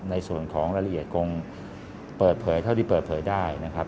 ในส่วนของรายละเอียดคงเปิดเผยเท่าที่เปิดเผยได้นะครับ